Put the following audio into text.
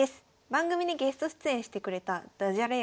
番組にゲスト出演してくれたダジャレ